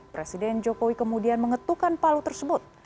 presiden jokowi kemudian mengetukkan palu tersebut